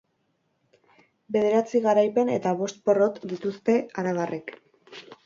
Bederatzi garaipen eta bost porrot dituzte arabarrek.